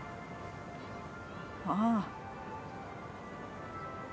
ああ